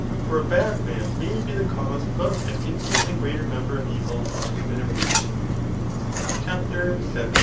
For a bad man may be the cause of an infinitely greater number of evils than a brute* CHAPTER VU.